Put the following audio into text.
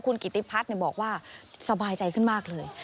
คุณกิติพัฒน์บอกว่าสบายใจขึ้นมากเลย